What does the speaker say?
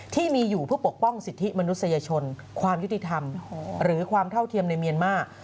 ที่มีอยู่เพื่อปกป้องสิทธิมนุษยชนความยุติธรรมหรือความเท่าเทียมในเมียนมาร์